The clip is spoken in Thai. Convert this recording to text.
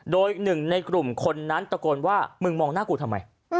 โดยหนึ่งในกลุ่มคนนั้นตะโกนว่ามึงมองหน้ากูทำไม